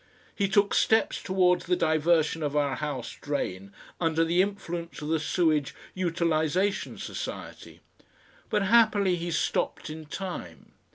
He took steps towards the diversion of our house drain under the influence of the Sewage Utilisation Society; but happily he stopped in time.